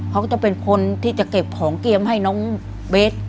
เขาก็จะเป็นคนที่จะเก็บของเกมให้น้องเบส